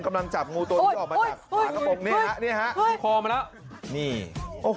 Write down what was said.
กำลังจับงูตัวนี้ออกมาจากฝากระปกนี่ฮะนี่ฮะคอมาแล้วนี่โอ้โห